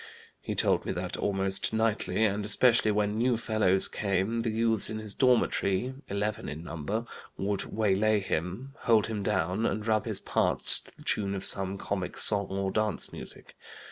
He told me that almost nightly, and especially when new fellows came, the youths in his dormitory (eleven in number) would waylay him, hold him down, and rub his parts to the tune of some comic song or dance music.